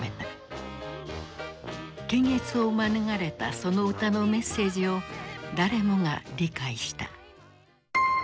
検閲を免れたその歌のメッセージを誰もが理解した。